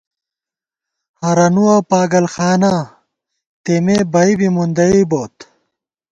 ہرَنُوَہ پاگل خانا تېمے بئ بی مُندَئی بوت